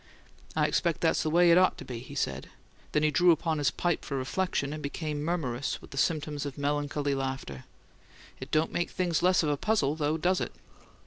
"I expect that's the way it ought to be," he said, then drew upon his pipe for reflection, and became murmurous with the symptoms of melancholy laughter. "It don't make things less of a puzzle, though, does it?"